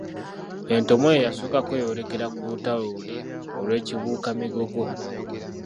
Entomo ye yasooka kweyolekera ku lutalo luli olw'Ekibuuka-migogo.